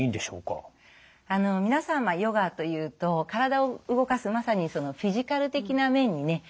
皆さんはヨガというと体を動かすまさにフィジカル的な面にね